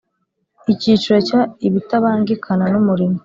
Icyiciro cya ibitabangikana n umurimo